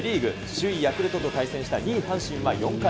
首位ヤクルトと対戦した２位阪神は４回。